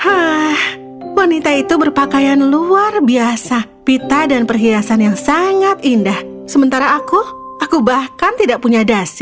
ah wanita itu berpakaian luar biasa pita dan perhiasan yang sangat indah sementara aku aku bahkan tidak punya dasi